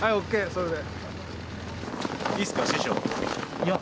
それで。